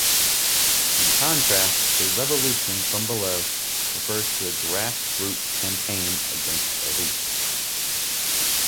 In contrast, a "revolution from below" refers to a grassroots campaign against elites.